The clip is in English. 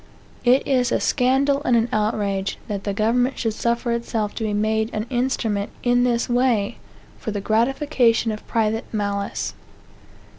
It is a scandal and an outrage, that government should suffer itself to be made an instrument, in this way, for the gratification of private malice.